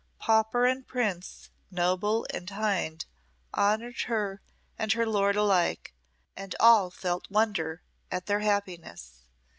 Pauper and prince, noble and hind honoured her and her lord alike, and all felt wonder at their happiness.